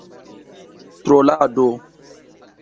trolado